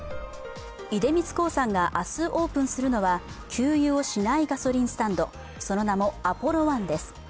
出光興産が明日オープンするのは給油をしないガソリンスタンド、その名もａｐｏｌｌｏＯＮＥです。